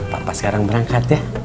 papa sekarang berangkat ya